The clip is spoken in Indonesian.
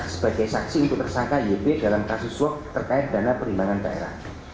sebagai saksi untuk tersangka yp dalam kasus swap terkait dana perimbangan daerah